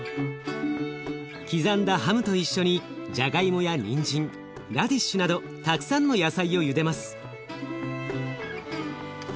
刻んだハムと一緒にじゃがいもやにんじんラディッシュなどたくさんの野菜をゆでます。